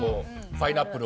パイナップル。